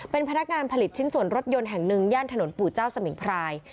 เป็นพนักงานผลิตชิ้นส่วนรถยนต์แห่งหนึ่งย่านถนนปู่เจ้าสมิงพราย